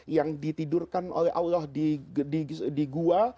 yang ditidurkan oleh allah di gua